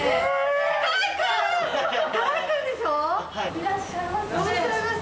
いらっしゃいませ。